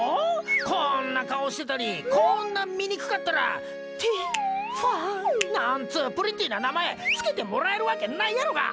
こんな顔してたりこんな醜かったらティファンなんつプリティな名前付けてもらえるわけないやろが！